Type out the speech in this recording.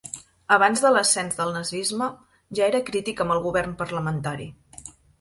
Abans de l'ascens del nazisme, ja era crític amb el govern parlamentari.